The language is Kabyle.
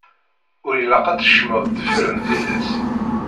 Ur ilaq ad d-tkecmeḍ deffir n tillas.